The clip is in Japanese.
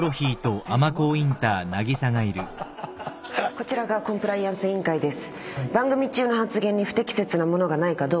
こちらがコンプライアンス委員会です。